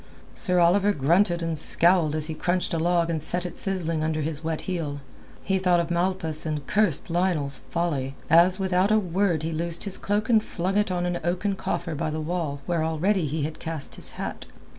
Sir Oliver grunted and scowled as he crunched a log and set it sizzling under his wet heel. He thought of Malpas and cursed Lionel's folly, as, without a word, he loosed his cloak and flung it on an oaken coffer by the wall where already he had cast his hat.